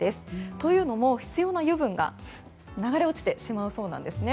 というのも、必要な油分が流れ落ちてしまうそうなんですね。